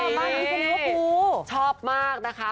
นี่ชอบมากนะคะ